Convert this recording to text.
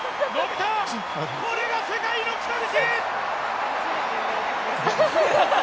これが世界の北口！